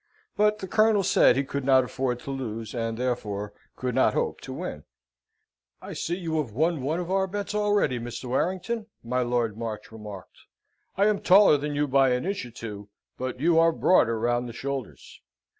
But the Colonel said he could not afford to lose, and therefore could not hope to win. "I see you have won one of our bets already, Mr. Warrington," my Lord March remarked. "I am taller than you by an inch or two, but you are broader round the shoulders."